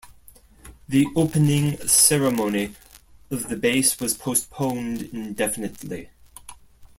The opening ceremony of the base was postponed indefinitely.